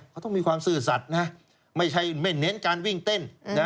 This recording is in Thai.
เขาต้องมีความสื่อสัตว์ไม่เน้นการวิ่งเต้น